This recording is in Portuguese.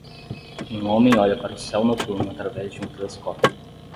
Um homem olha para o céu noturno através de um telescópio.